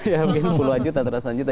ya mungkin puluhan juta atau ratusan juta